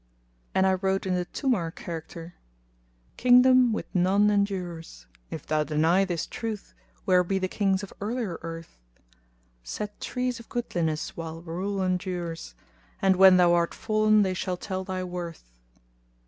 And I wrote in the Túmár character[FN#234]:— Kingdom with none endures; if thou deny * This truth, where be the Kings of earlier earth? Set trees of goodliness while rule endures, * And when thou art fallen they shall tell thy worth.